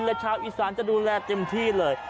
และชาวอีสานจะดูแลเต็มที่เลย